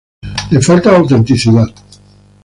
Le falta autenticidad.